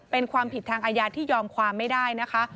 เป็นความผิดทางอาญาที่ยอมความไม่ได้นะคะ